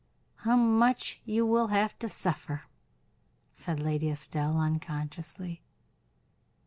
"How much you will have to suffer?" said Lady Estelle, unconsciously.